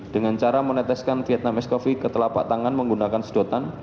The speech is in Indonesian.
dengan cara meneteskan vietnamese coffee ke telapak tangan menggunakan sedotan